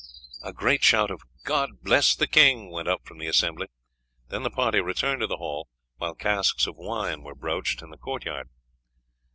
A great shout of "God bless the king!" went up from the assembly. Then the party returned to the hall, while casks of wine were broached in the court yard.